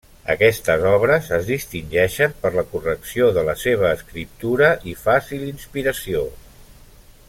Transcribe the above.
Aquestes obres es distingeixen per la correcció de la seva escriptura i fàcil inspiració.